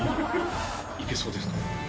いけそうですか？